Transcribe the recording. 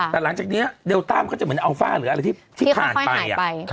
แต่ตอนนี้เดลต้าก็จะเหมือนอัลฟาหรืออะไรที่ขาดไป